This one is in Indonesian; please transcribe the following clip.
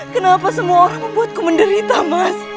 kenapa semua orang membuatku menderita mas